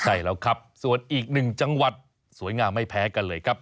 ใช่แล้วครับส่วนอีกหนึ่งจังหวัดสวยงามไม่แพ้กันเลยครับ